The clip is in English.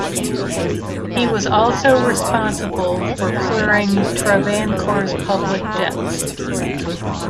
He was also responsible for clearing Travancore's public debts.